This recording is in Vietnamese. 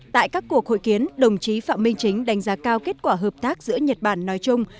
tại các cuộc hội kiến đồng chí phạm minh chính đánh giá cao kết quả hợp tác giữa nhật bản nói chung